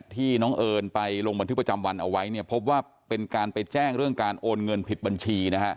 ที่น้องเอิญไปลงบันทึกประจำวันเอาไว้เนี่ยพบว่าเป็นการไปแจ้งเรื่องการโอนเงินผิดบัญชีนะฮะ